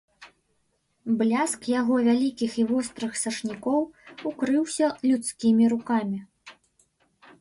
Бляск яго вялікіх і вострых сашнікоў укрыўся людскімі рукамі.